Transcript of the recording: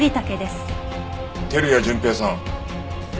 照屋淳平さん。